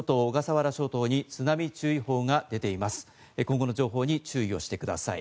その情報に注意をしてください。